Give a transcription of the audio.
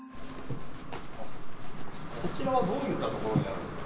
こちらはどういったところになるんですか？